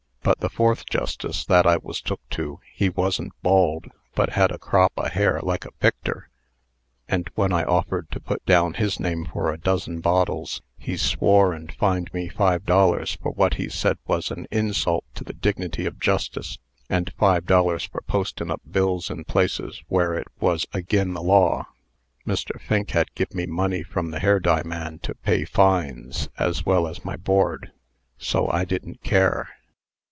But the fourth justice that I was took to, he wasn't bald, but had a crop o' hair like a picter; and when I offered to put down his name for a dozen bottles, he swore, and fined me five dollars for what he said was a insult to the dignity of justice, and five dollars for postin' up bills in places where it was agin the law. Mr. Fink had give me money from the hair dye man to pay fines, as well as my board; so I didn't care.